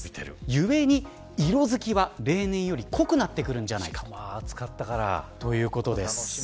ゆえに、色づきは例年より濃くなってくるんじゃないかということです。